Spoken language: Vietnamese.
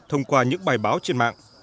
thông qua những bài báo trên mạng